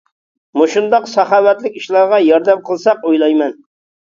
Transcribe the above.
مۇشۇنداق ساخاۋەتلىك ئىشلارغا ياردەم قىلساق ئويلايمەن.